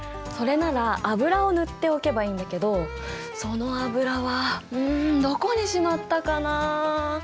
それなら油を塗っておけばいいんだけどその油はうんどこにしまったかなあ？